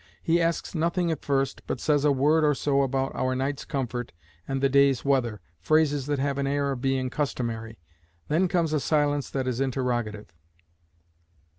He asks nothing at first, but says a word or so about our night's comfort and the day's weather, phrases that have an air of being customary. Then comes a silence that is interrogative.